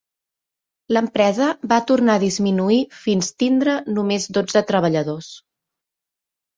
L'empresa va tornar a disminuir fins tindre només dotze treballadors.